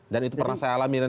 dan itu pernah saya alami